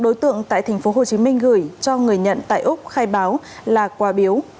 đối tượng tại tp hcm gửi cho người nhận tại úc khai báo là quà biếu